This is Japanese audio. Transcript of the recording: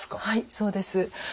はいそうです。